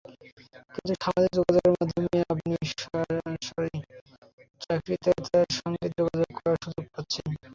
কিন্তু সামাজিক যোগযোগ মাধ্যমে আপনি সরাসরি চাকরিদাতার সঙ্গে যোগাযোগ করার সুযোগ পাচ্ছেন।